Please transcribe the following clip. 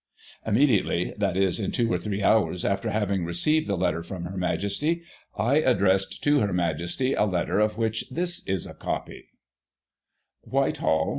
" Immediately — that is, in two or three hours after having received the letter from Her Majesty, I addressed to Her Majesty a letter, of which this is a copy :"' Whitehall.